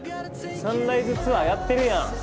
サンライズツアーやってるやん